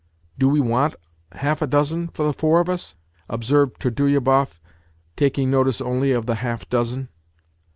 " Do we want half a dozen for the four of us ?" observed Trudolyubov, taking notice only of the half dozen.